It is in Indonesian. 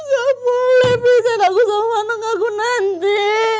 kamu gak boleh bisa nangis sama anak aku nanti